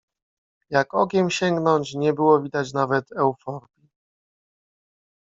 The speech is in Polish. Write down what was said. Jak okiem sięgnąć, nie było widać nawet euforbii.